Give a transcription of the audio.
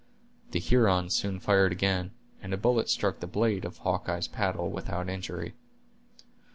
The Hurons soon fired again, and a bullet struck the blade of Hawkeye's paddle without injury.